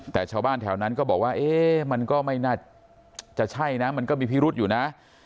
แต่ชาวบ้านแถวนั้นก็บอกว่าเอ๊ะมันก็ไม่น่าจะใช่นะมันก็มีพิรุษอยู่นะ